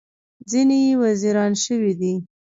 ځینې یې وزیران شوي دي.